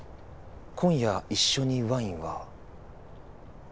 今夜一緒にワインは？